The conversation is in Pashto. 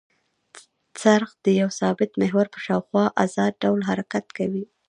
څرخ د یوه ثابت محور په شاوخوا ازاد ډول حرکت کوي.